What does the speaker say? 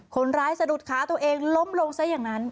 สะดุดขาตัวเองล้มลงซะอย่างนั้น